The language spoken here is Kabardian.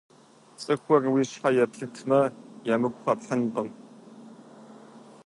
ЦӀыхур уи щхьэ еплъытмэ, емыкӀу къэпхьынкъым.